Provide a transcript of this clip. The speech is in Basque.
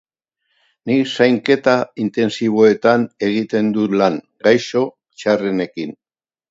Nik Zainketa Intentsiboetan egiten dut lan, gaixo txarrenekin.